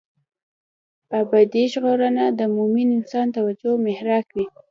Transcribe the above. ابدي ژغورنه د مومن انسان توجه محراق وي.